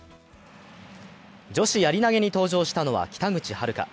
女子やり投に登場したのは北口榛花。